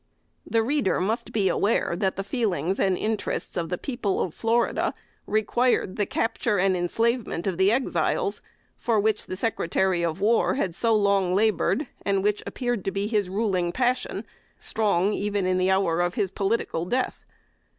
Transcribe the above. The reader must be aware that the feelings and interests of the people of Florida required the capture and enslavement of the Exiles; for which the Secretary of War had so long labored, and which appeared to be his ruling passion "strong in the hour of his political death."